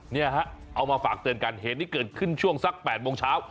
เนี่ยฮะเอามาฝากเตือนกันเหตุนี้เกิดขึ้นช่วงสัก๘โมงเช้า